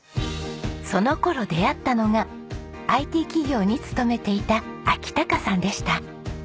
その頃出会ったのがＩＴ企業に勤めていた章隆さんでした。